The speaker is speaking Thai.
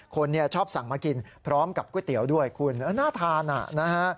คนเนี่ยชอบสั่งมากินพร้อมกับก๋วยเตี๋ยวด้วยคุณน่าทานนะฮะ